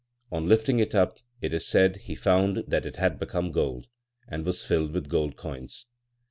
On lifting it up, it is said, he found that it had become gold, and was filled with gold coins.